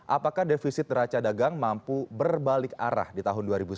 apakah defisit neraca dagang mampu berbalik arah di tahun dua ribu sembilan belas